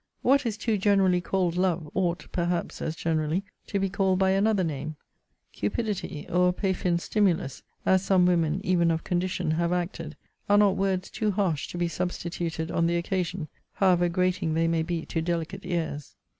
What is too generally called love, ought (perhaps as generally) to be called by another name. Cupidity, or a Paphian stimulus, as some women, even of condition, have acted, are not words too harsh to be substituted on the occasion, however grating they may be to delicate ears.